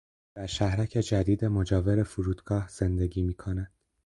او در شهرک جدید مجاور فرودگاه زندگی میکند.